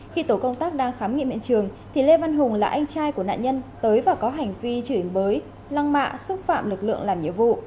khi tổ công tác đang khám nghiệm hiện trường thì lê văn hùng là anh trai của nạn nhân tới và có hành vi chửi bới lăng mạ xúc phạm lực lượng làm nhiệm vụ